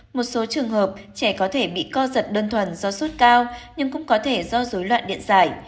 một số trường hợp trẻ có thể bị co giật đơn thuần do sốt cao nhưng cũng có thể do dối loạn điện giải